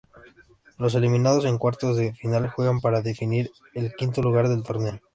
Los eliminados en cuartos de final juegan para definir al quinto lugar del torneo.